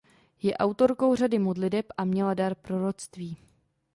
Je autorkou řady modliteb a měla dar proroctví.